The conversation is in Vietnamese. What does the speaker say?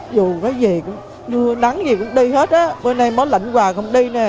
dù có gì nửa nắng gì cũng đi hết á hôm nay bó lạnh hoà không đi nè